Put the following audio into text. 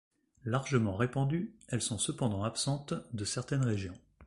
Largement répandues, elles sont cependant absentes de certaines régions.